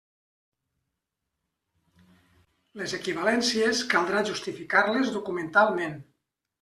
Les equivalències caldrà justificar-les documentalment.